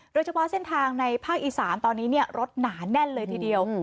โดยเฉพาะเส้นทางในภาคอีสานตอนนี้รถหนาแน่นเลยทีเดียว